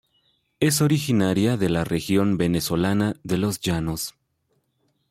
Es originaria de la región venezolana de los llanos.